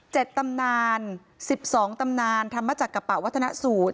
เจ็ดตำนานสิบสองตำนานธรรมจักรปะวัฒนสูตร